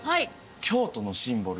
京都のシンボル